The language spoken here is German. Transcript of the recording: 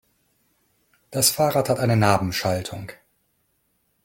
Das Fahrrad hat eine Nabenschaltung.